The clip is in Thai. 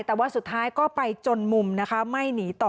แต่ว่าสุดท้ายก็ไปจนมุมนะคะไม่หนีต่อ